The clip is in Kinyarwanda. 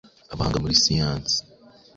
Abahanga muri siyansi